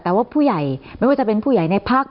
แต่ว่าผู้ใหญ่ไม่ว่าจะเป็นผู้ใหญ่ในพัก